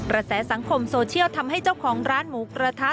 แสสังคมโซเชียลทำให้เจ้าของร้านหมูกระทะ